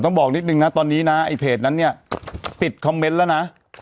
บอกนิดนึงนะตอนนี้นะไอ้เพจนั้นเนี่ยปิดคอมเมนต์แล้วนะ